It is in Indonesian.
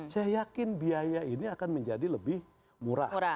saya yakin biaya ini akan menjadi lebih murah